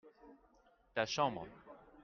ta chambre.